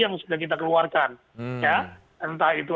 yang sudah dikeluarkan entah itu